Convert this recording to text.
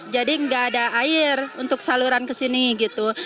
jadi enggak ada air untuk saluran ke sini gitu